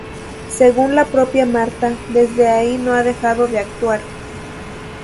Según la propia Martha, desde ahí no ha dejado de actuar.